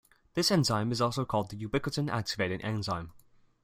This enzyme is also called ubiquitin-activating enzyme.